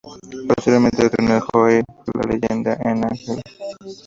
Posteriormente actuó en "El Joe, la leyenda" como Ángela.